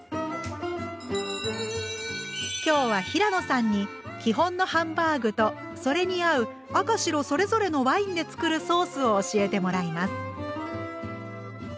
今日は平野さんに基本のハンバーグとそれに合う赤白それぞれのワインで作るソースを教えてもらいます。